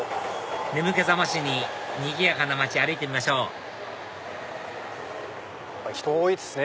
眠気覚ましににぎやかな街歩いてみましょう人多いですね